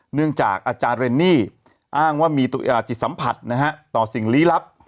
เนื่องจากอาจารย์เรนนี่อ้างว่ามีจิตสัมผัสนะฮะต่อสิ่งลี้ลับ